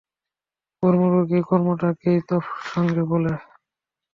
কর্মযোগীরা কর্মটাকেই তপস্যার অঙ্গ বলে।